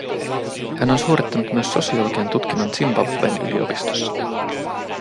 Hän on suorittanut myös sosiologian tutkinnon Zimbabwen yliopistossa